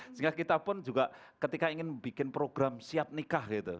sehingga kita pun juga ketika ingin bikin program siap nikah gitu